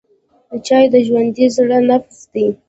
چای د ژوندي زړه نبض دی.